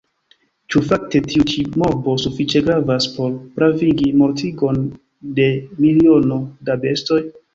Ĉu fakte tiu ĉi morbo sufiĉe gravas por pravigi mortigon de miliono da bestoj?